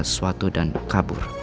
sesuatu dan kabur